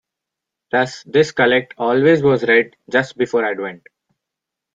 Thus, this collect always was read just before Advent.